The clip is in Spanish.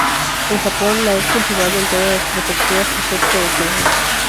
En Japón, la es cultivado en todas las prefecturas, excepto Okinawa.